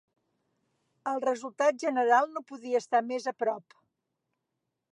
El resultat general no podia estar més a prop.